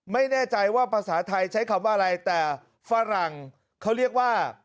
ไม่แน่ใจว่าภาษาไทยใช้คำว่าอะไรแต่ฝรั่งเขาเรียกว่า